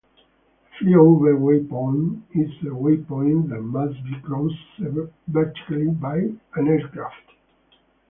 A fly-over waypoint is a waypoint that must be crossed vertically by an aircraft.